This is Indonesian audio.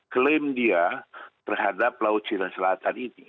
klaim dia terhadap laut cina selatan ini